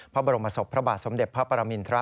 พระบรมศพพระบาทสมเด็จพระปรมินทร